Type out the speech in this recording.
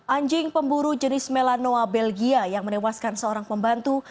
anjing pemburu jenis melanoa belgia yang menewaskan seorang pembantu